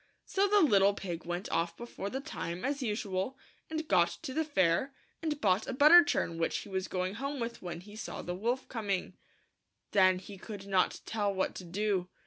So the little pig went off before the time, as usual, and got to the fair, and bought a butter churn, which he was going home with when he saw the wolf coming. 77 THE THREE LITTLE PIGS. Then he could not tell what to do.